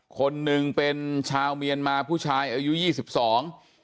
คนหนึ่งเป็นชาวเมียนมาผู้ชายอายุยี่สิบสอง